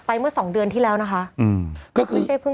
หักไปเมื่อสองเดือนที่แล้วนะคะ